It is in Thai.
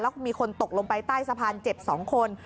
แล้วก็มีคนตกลงไปใต้สะพานเจ็บ๒คน